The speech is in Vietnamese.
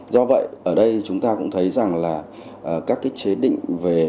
do vậy ở đây chúng ta cũng thấy rằng là các cái chế định về